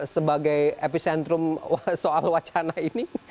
sebagai epicentrum soal wacana ini